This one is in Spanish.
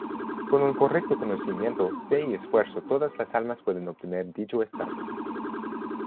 Con un correcto conocimiento, fe y esfuerzo todas las almas pueden obtener dicho estado.